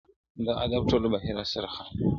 • د آدب ټوله بهير را سره خاندي,